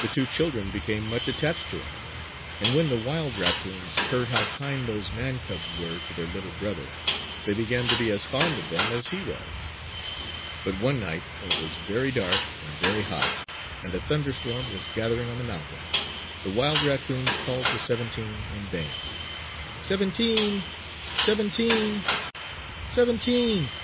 The two children became much attached to him; and when the wild raccoons heard how kind those man cubs were to their little brother, they began to be as fond of them as he was. But one night, when it was very dark and very hot and a thunderstorm was gathering on the mountains, the wild raccoons called to "Seventeen" in vain. "Seventeen! Seventeen! Seventeen!"